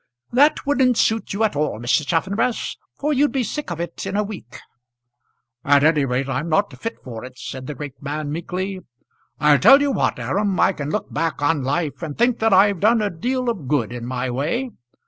"That wouldn't suit you at all, Mr. Chaffanbrass, for you'd be sick of it in a week." "At any rate I'm not fit for it," said the great man meekly. "I'll tell you what, Aram, I can look back on life and think that I've done a deal of good in my way.